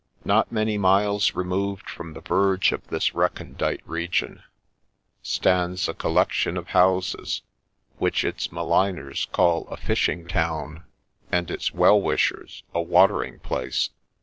Not many miles removed from the verge of this recondite region, stands a collection of houses, which its maligners call a fishing town, and its well wishers a Watering place.